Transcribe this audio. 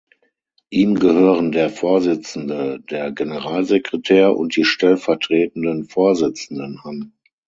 Ihm gehören der Vorsitzende, der Generalsekretär und die stellvertretenden Vorsitzenden an.